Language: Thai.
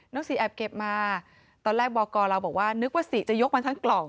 สีแอบเก็บมาตอนแรกบอกกรเราบอกว่านึกว่าศรีจะยกมาทั้งกล่อง